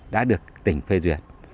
đã được tỉnh phê duyệt